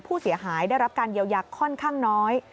ผู้เสียหายได้รับการเยียวยาค่อนข้างน้อย